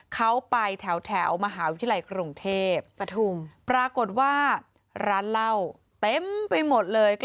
เขาไปแถวมหาวิทยาลัยกรุงเทพปฐุมปรากฏว่าร้านเหล้าเต็มไปหมดเลย